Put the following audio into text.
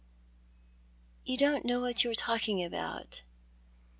" You don't know what you are talking about.